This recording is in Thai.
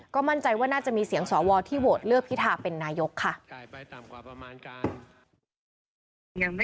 ก็มั่นใจว่าน่าจะมีเสียงสวที่โหวตเลือกพิธาเป็นนายกค่ะ